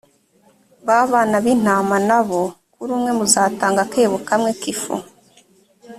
ba bana b’intama na bo, kuri umwe muzatanga akebo kamwe k’ifu.